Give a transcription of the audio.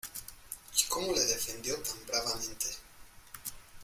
¿ y cómo le defendió tan bravamente?